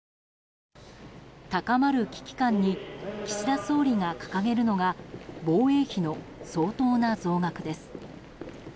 高まる危機感に岸田総理が掲げるのが防衛費の相当な増額です。